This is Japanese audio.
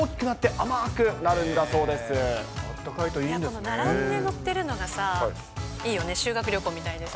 この並んで載ってるのがいいよね、修学旅行みたいでさ。